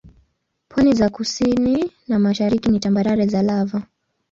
Pwani za kusini na mashariki ni tambarare za lava.